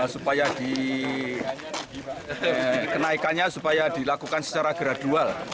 supaya dikenaikannya supaya dilakukan secara gradual